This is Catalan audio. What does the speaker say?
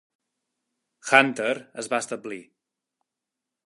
Hunter es va establir.